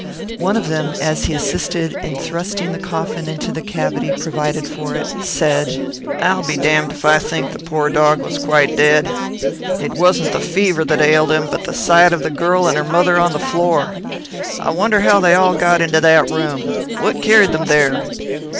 One of them, as he assisted in thrusting the coffin into the cavity provided for it, said, "I'll be damned if I think the poor dog was quite dead. It wasn't the fever that ailed him, but the sight of the girl and her mother on the floor. I wonder how they all got into that room. What carried them there?"